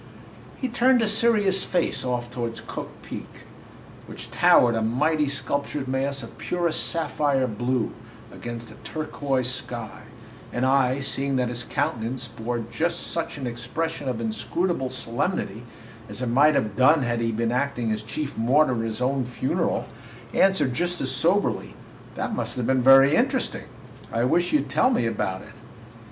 He turned a serious face off toward Cooke's Peak, which towered, a mighty, sculptured mass of purest sapphire blue, against a turquoise sky; and I, seeing that his countenance bore just such an expression of inscrutable solemnity as it might have done had he been acting as chief mourner at his own funeral, answered just as soberly: "That must have been very interesting! I wish you would tell me about it."